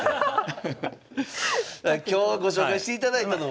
今日ご紹介していただいたのは。